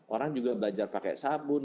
orang juga belajar pakai sabun